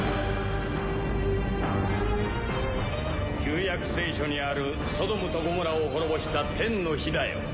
旧約聖書にあるソドムとゴモラを亡ぼした天の火だよ